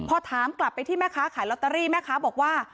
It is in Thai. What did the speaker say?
พอถามกลับไปที่แม่ค้าขายลอตเตอรี่แม่ค้าบอกว่า